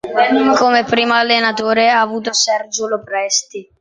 Come primo allenatore ha avuto Sergio Lo Presti.